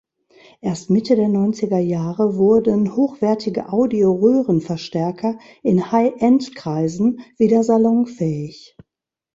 Erst Mitte der neunziger Jahre wurden hochwertige Audio-Röhrenverstärker in High-End-Kreisen wieder salonfähig.